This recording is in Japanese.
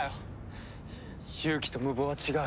勇気と無謀は違う。